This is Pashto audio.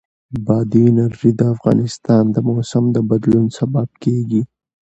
بادي انرژي د افغانستان د موسم د بدلون سبب کېږي.